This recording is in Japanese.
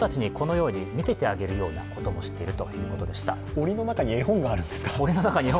オリの中に絵本が置いてあるんですか。